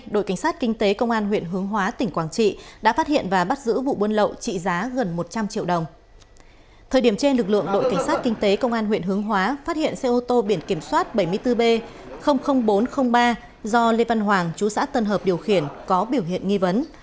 đội cảnh sát kinh tế công an huyện hướng hóa phát hiện xe ô tô biển kiểm soát bảy mươi bốn b bốn trăm linh ba do lê văn hoàng chú xã tân hợp điều khiển có biểu hiện nghi vấn